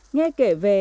nghe kể về